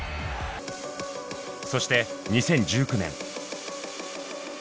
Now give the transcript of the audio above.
そして２０１９年。